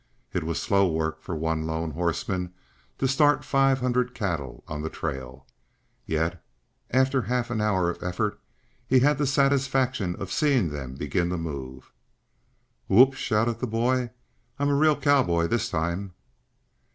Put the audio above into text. It was slow work for one lone horseman to start five hundred cattle on the trail. Yet, after half an hour of effort, he had the satisfaction of seeing them begin to move. "Whoop!" shouted the boy. "I'm a real cowboy this time!"